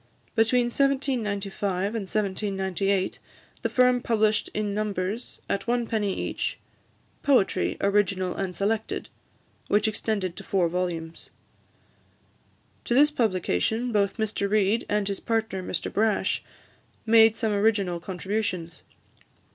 Between 1795 and 1798, the firm published in numbers, at one penny each, "Poetry, Original and Selected," which extended to four volumes. To this publication, both Mr Reid, and his partner, Mr Brash, made some original contributions.